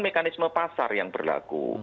mekanisme pasar yang berlaku